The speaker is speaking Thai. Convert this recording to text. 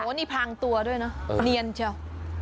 โอ้โฮนี่พางตัวด้วยนะเนียนเชียว